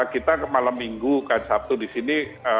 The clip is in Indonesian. kita malam minggu kan sabtu di sini